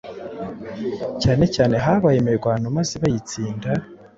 cyanecyane habaye imirwano maze bayitsind